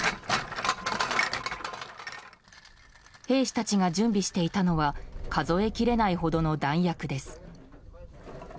兵士たちが準備していたのは数え切れないほどの弾薬です。